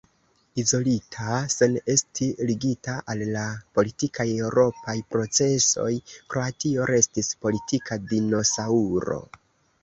Izolita, sen esti ligita al la politikaj eŭropaj procesoj, Kroatio restis politika dinosaŭro.